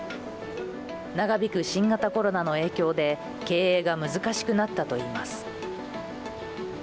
長引く新型コロナの影響で経営が難しくなったといいます。